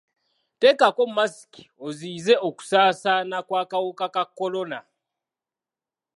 Teekako masiki oziiyize okusaasaana kw'akawuka ka kolona.